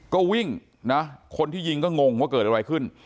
ก็วิ่งนะคนที่ยิงก็งงว่าเกิดอะไรขึ้น